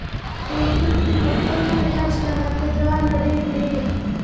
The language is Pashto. په اردو کې د پښتو توري هم شته لکه ډ ړ ټ